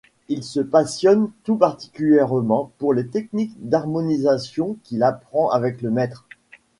Il se passionne tout particulièrement pour les techniques d'harmonisation qu’il apprend avec le maître.